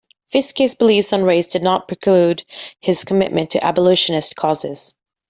Fiske's beliefs on race did not preclude his commitment to abolitionist causes.